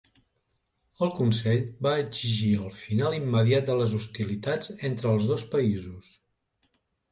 El Consell va exigir el final immediat de les hostilitats entre els dos països.